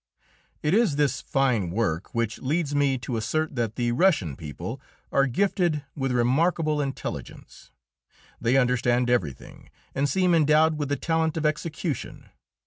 It is this fine work which leads me to assert that the Russian people are gifted with remarkable intelligence; they understand everything, and seem endowed with the talent of execution.